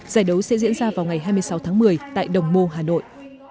giải đấu sẽ diễn ra vào ngày hai mươi sáu tháng một mươi tại đồng mô hà nội